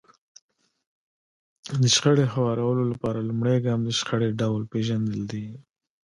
د شخړې هوارولو لپاره لومړی ګام د شخړې ډول پېژندل دي.